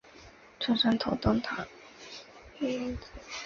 成山头灯塔为威海海域最早的灯塔。